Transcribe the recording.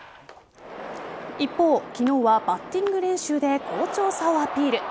一方、昨日はバッティング練習で好調さをアピール。